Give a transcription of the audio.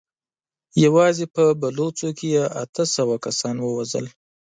يواځې په بلوڅو کې يې اته سوه کسان ووژل.